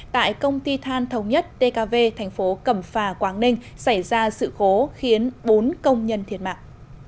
tại công ty than thống nhất dkv thành phố cẩm phà quảng ninh xảy ra sự khố khiến bốn công nhân thiệt mạng